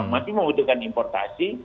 masih membutuhkan importasi